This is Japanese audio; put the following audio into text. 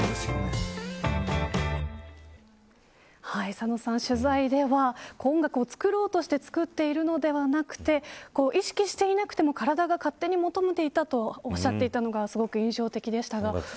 佐野さん、取材では音楽を作ろうとして作っているのではなくて意識していなくても体が勝手に求めていたとおっしゃっていたのがすごく印象的でした。